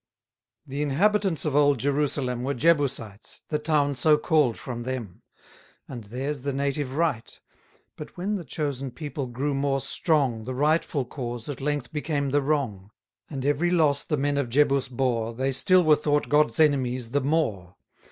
The inhabitants of old Jerusalem Were Jebusites; the town so call'd from them; And theirs the native right But when the chosen people grew more strong, The rightful cause at length became the wrong; And every loss the men of Jebus bore, 90 They still were thought God's enemies the more.